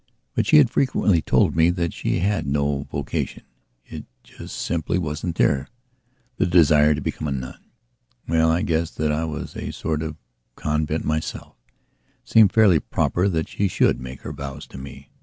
But she had frequently told me that she had no vocation; it just simply wasn't therethe desire to become a nun. Well, I guess that I was a sort of convent myself; it seemed fairly proper that she should make her vows to me.